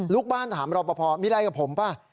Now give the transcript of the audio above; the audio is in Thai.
ลูกบ้านถามรอป่าวพอมีอะไรกับผมเปล่า